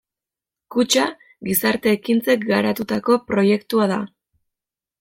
Kutxa Gizarte Ekintzak garatutako proiektua da.